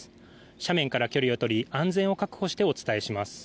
斜面から距離を取り安全を確保してお伝えします。